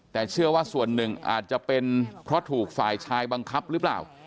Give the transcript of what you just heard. แต่เชื่อว่าส่วนหนึ่งอาจจะเป็นเพราะถูกฝ่ายชายบังคับหรือเปล่า